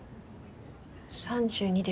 ３２です。